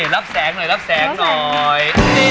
รับแสงหน่อยรับแสงหน่อย